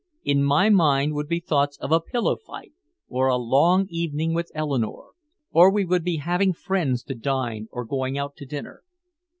In my mind would be thoughts of a pillow fight or a long evening with Eleanore, or we would be having friends to dine or going out to dinner.